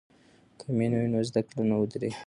که مینه وي نو زده کړه نه ودریږي.